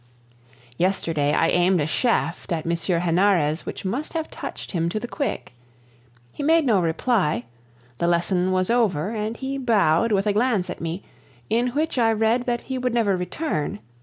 Yesterday I aimed a shaft at M. Henarez which must have touched him to the quick. He made no reply; the lesson was over, and he bowed with a glance at me, in which I read that he would never return.